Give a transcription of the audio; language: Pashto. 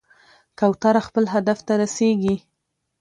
کوتره خپل هدف ته رسېږي.